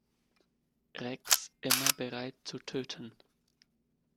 Rex, immer bereit zu töten.